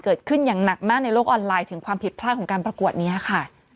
เกิดขึ้นอย่างหนักมากในโลกออนไลน์ถึงความผิดพลาดของการประกวดนี้ค่ะ